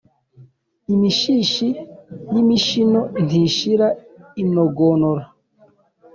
imishishi y’imishino ntishira inogonora.